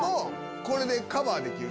これでカバーできる。